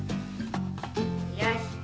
よし。